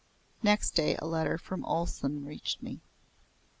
Next day a letter from Olesen reached me.